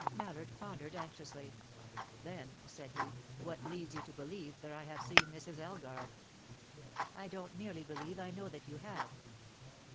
Mallard pondered anxiously. "Then," said he, "what leads you to believe that I have seen Mrs. Elgar?" "I don't merely believe; I know that you have."